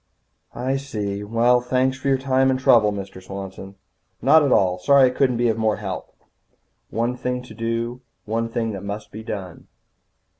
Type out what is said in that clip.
"I see. Well, thanks for your time and trouble, Mr. Swanson." "Not at all. Sorry I couldn't be of more help." One thing to do. One thing that must be done.